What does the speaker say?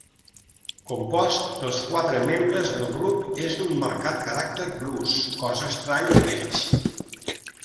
Compost pels quatre membres del grup és d'un marcat caràcter blues, cosa estranya en ells.